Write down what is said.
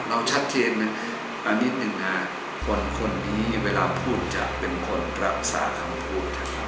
เราชัดเชี่ยวนะเอานิดนึงนะคนคนนี้เวลาพูดจะเป็นคนปรับศาสน์คำพูด